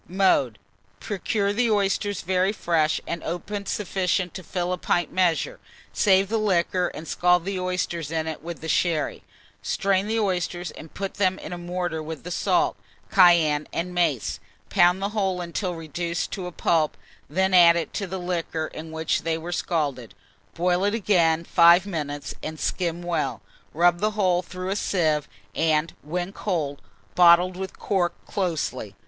Mode. Procure the oysters very fresh, and open sufficient to fill a pint measure; save the liquor, and scald the oysters in it with the sherry; strain the oysters, and put them in a mortar with the salt, cayenne, and mace; pound the whole until reduced to a pulp, then add it to the liquor in which they were scalded; boil it again five minutes, and skim well; rub the whole through a sieve, and, when cold, bottle and cork closely.